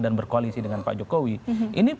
dan berkoalisi dengan pak jokowi ini